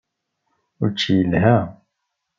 Učči yelha.